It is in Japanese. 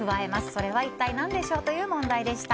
それは一体何でしょうという問題でした。